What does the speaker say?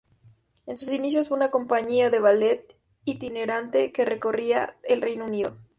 En sus inicios fue una compañía de ballet itinerante que recorría el Reino Unido.